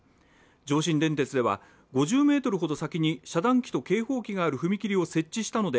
上信電鉄では、５０ｍほど先に遮断機と警報機がある踏切を設置したので、